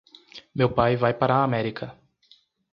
Meu pai vai para a América.